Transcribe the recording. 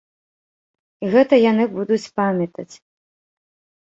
І гэта яны будуць памятаць.